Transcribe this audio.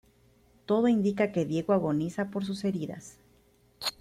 Todo indica que Diego agoniza por sus heridas.